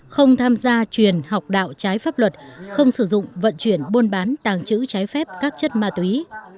không tham gia truyền học đạo trái pháp luật không sử dụng vận chuyển buôn bán tàng trữ trái phép các chất ma túy